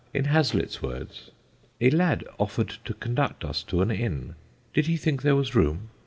In Hazlitt's words: "A lad offered to conduct us to an inn. 'Did he think there was room?'